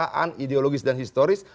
kemanusiaan ideologis dan historis